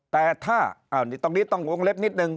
แต่ถ้าตรงนี้ต้องวงเล็บนิดนึง